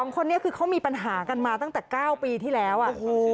๒คนนี้คือเขามีปัญหากันมาตั้งแต่๙ปีที่แล้ว